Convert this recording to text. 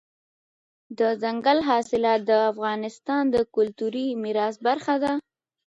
دځنګل حاصلات د افغانستان د کلتوري میراث برخه ده.